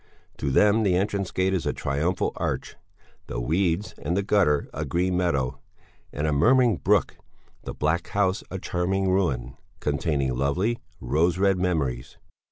To them the entrance gate is a triumphal arch, the weeds and the gutter a green meadow, and a murmuring brook, the black house a charming ruin, containing lovely, rose red memories.